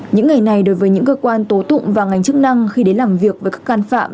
những ngày này đối với những cơ quan tố tụng và ngành chức năng khi đến làm việc với các can phạm